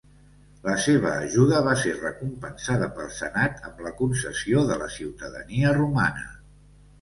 La seva ajuda va ser recompensada pel senat amb la concessió de la ciutadania romana.